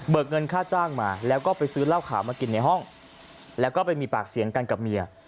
เงินค่าจ้างมาแล้วก็ไปซื้อเหล้าขาวมากินในห้องแล้วก็ไปมีปากเสียงกันกับเมีย